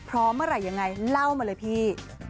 เมื่อไหร่ยังไงเล่ามาเลยพี่